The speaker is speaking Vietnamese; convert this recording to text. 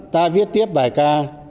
ta viết tiếp bài ca